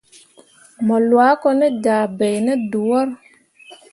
Mo lwa ko te ja bai ne dəwor.